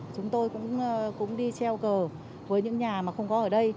chúng tôi cũng đi treo cờ với những nhà mà không có ở đây